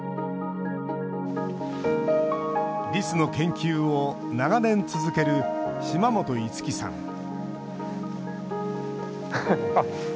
リスの研究を長年続ける嶌本樹さん